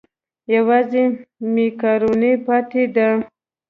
یوازې مېکاروني پاتې ده.